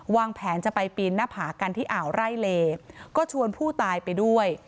วางแผนจะไปปีนหน้าผากันที่อ่าวไร่เลก็ชวนผู้ตายไปด้วย